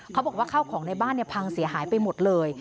เขาบอกว่าข้าวของในบ้านพังเสียหายไปหมดเลย